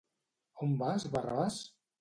On vas, Barrabàs?